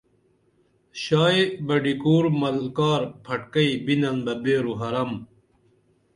شائی بڈیکور مالکار پھٹکئی بِنن بہ بیرو حرام